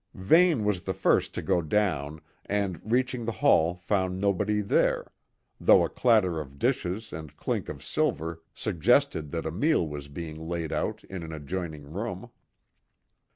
Vane was the first to go down, and reaching the hall found nobody there, though a clatter of dishes and clink of silver suggested that a meal was being laid out in an adjoining room.